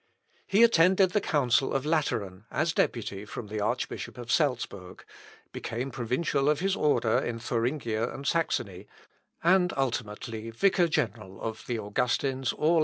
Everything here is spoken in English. He attended the council of Lateran, as deputy from the Archbishop of Salzbourg, became provincial of his order in Thuringia and Saxony, and ultimately vicar general of the Augustins all over Germany.